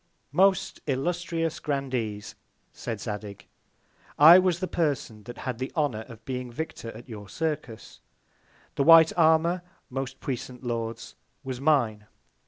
Most illustrious Grandees, said Zadig, I was the Person that had the Honour of being Victor at your Circus; the white Armour, most puissant Lords, was mine.